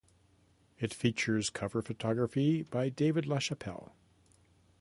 It features cover photography by David LaChapelle.